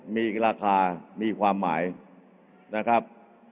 มีราคามีความหมายนะครับ